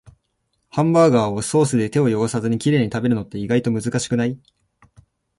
ハンバーガーをソースで手を汚さずにきれいに食べるのって、意外と難しくない？